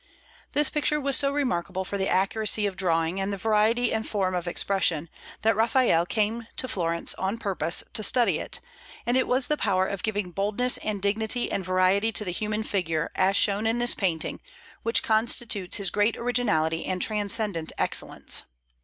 This picture was so remarkable for the accuracy of drawing, and the variety and form of expression, that Raphael came to Florence on purpose to study it; and it was the power of giving boldness and dignity and variety to the human figure, as shown in this painting, which constitutes his great originality and transcendent excellence.